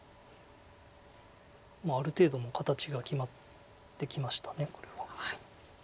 ある程度の形が決まってきましたこれは。